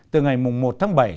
từ ngày một tháng bảy